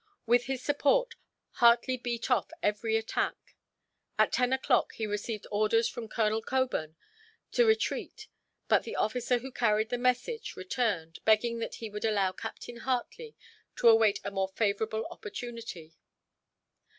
With this support, Hartley beat off every attack. At ten o'clock he received orders from Colonel Cockburn to retreat, but the officer who carried the message returned, begging that he would allow Captain Hartley to await a more favourable opportunity.